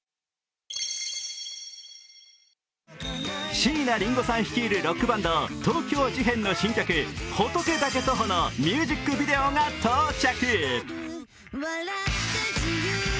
椎名林檎さん率いるロックバンド、東京事変の新曲、「仏だけ徒歩」のミュージックビデオが到着。